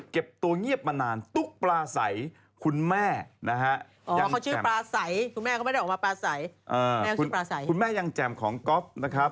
เก็บตัวเงียบมานานตุ๊กปลาใสคุณแม่ยังแจ่มของก๊อฟ